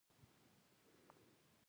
روح ته حق لازم دی.